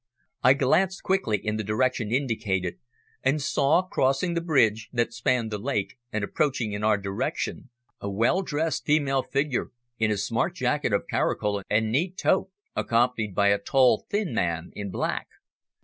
I glanced quickly in the direction indicated and saw, crossing the bridge that spanned the lake and approaching in our direction, a well dressed female figure in a smart jacket of caracul and neat toque, accompanied by a tall thin man in black.